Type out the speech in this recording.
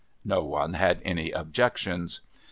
No one had any objections.